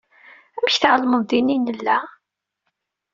Amek tɛelmeḍ din i nella?